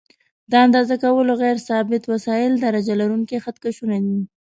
د اندازه کولو غیر ثابت وسایل درجه لرونکي خط کشونه دي.